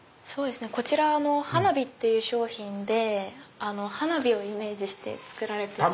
こちらＨＡＮＡＢＩっていう商品で花火をイメージして作られてます。